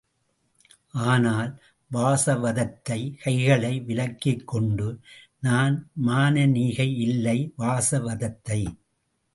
ஆனால், வாசவதத்தை கைகளை விலக்கிக்கொண்டு, நான் மானனீகை இல்லை வாசவதத்தை!